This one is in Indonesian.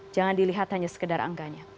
jangan dilihat hanya sekedar angkanya